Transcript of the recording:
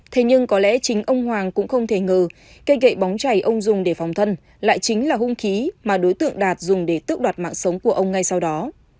thế nhưng có lẽ chính ông hoàng cũng không thể ngờ cây gậy bóng chảy ông dùng để phòng thân lại chính là hung khí mà đối tượng đạt dùng để tước đoạt mạng sống của ông ngay sau đó